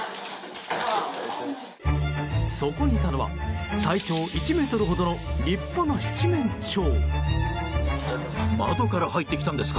そこにいたのは体長１ｍほどの立派な七面鳥。